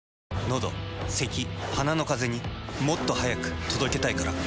のどせき鼻のカゼにもっと速く届けたいから。